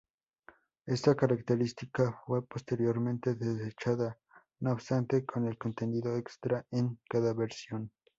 Esta característica fue posteriormente desechada, no obstante, con el contenido extra en cada versión.